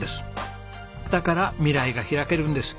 だから未来が開けるんです。